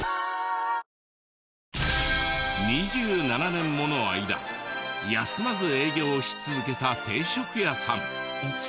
２７年もの間休まず営業し続けた定食屋さん。